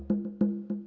iya pak alek